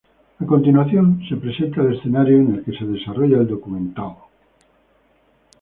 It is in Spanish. A continuación, se presenta el escenario en el que se desarrolla el documental.